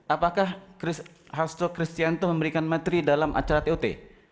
apakah hasto kristianto memberikan materi dalam acara tot